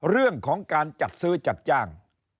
เรื่องของการจัดซื้อจัดจ้าง